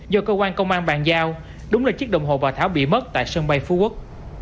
do cơ quan công an bàn giao đúng là chiếc đồng hồ bà thảo bị mất tại sân bay phú quốc